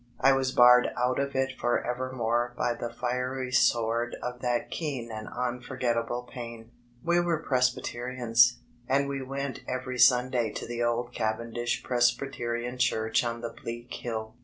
I was barred out of it forevermore by the fiery sword of that keen and unforgettable pain. We were Presbyterians, and went every Sunday to the old Cavendish Presbyterian Church on the bleak hill.